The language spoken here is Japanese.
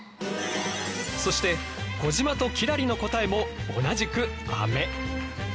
そして小島と輝星の答えも同じく「あめ」。